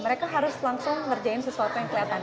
mereka harus langsung ngerjain sesuatu yang kelihatan